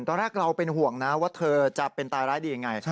ตอนแรกเราเป็นห่วงนะว่าเธอจะเป็นตายร้ายดียังไง